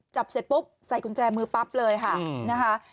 เสร็จปุ๊บใส่กุญแจมือปั๊บเลยค่ะนะคะ